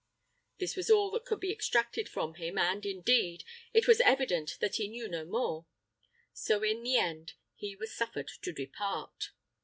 This was all that could be extracted from him, and, indeed, it was evident that he knew no more; so, in the end, he was suffered to depart.